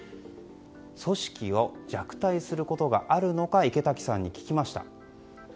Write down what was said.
組織が弱体することはあるのか池滝さんに聞きました。